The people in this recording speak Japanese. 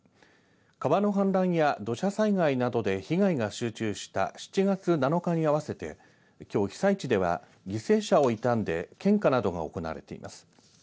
川の氾濫や土砂災害などで被害が集中した７月７日に合わせてきょう被災地では犠牲者を悼んで献花などが行われています。